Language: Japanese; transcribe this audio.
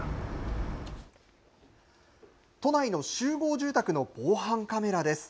都内の集合住宅の防犯カメラです。